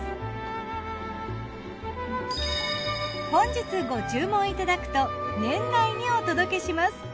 本日ご注文いただくと年内にお届けします。